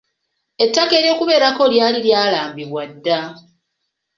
Ettaka ery'okubeerako lyali lyalambibwa dda.